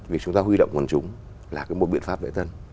vì chúng ta huy động quần chúng là một biện pháp lễ tân